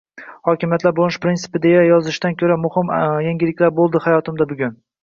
hokimiyatlar bo‘linish prinsipi deya yozishdan ko‘ra muhim yangilik bo‘ldi hayotimda bugun.